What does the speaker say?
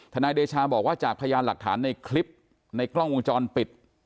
นายเดชาบอกว่าจากพยานหลักฐานในคลิปในกล้องวงจรปิด